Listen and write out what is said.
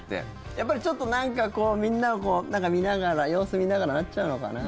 やっぱりちょっとみんなを見ながら様子を見ながらになっちゃうのかな？